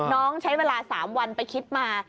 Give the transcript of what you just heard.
น้องใช้เวลา๓วันไปคิดมา